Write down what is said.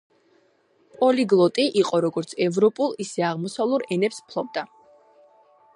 პოლიგლოტი იყო, როგორც ევროპულ, ისე აღმოსავლურ ენებს ფლობდა.